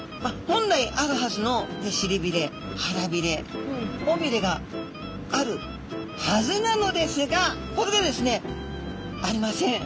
本来あるはずの尻びれ腹びれ尾びれがあるはずなのですがこれがですねありません。